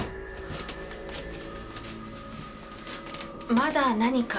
まだ何か？